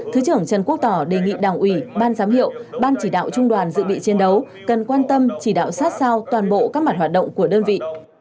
thứ trưởng trần quốc tỏ đề nghị đảng ủy ban giám hiệu ban chỉ đạo trung đoàn dự bị chiến đấu cần quan tâm chỉ đạo sát sao toàn bộ các mặt hoạt động của đơn vị